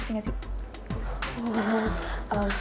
ngerti gak sih